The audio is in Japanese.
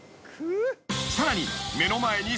［さらに］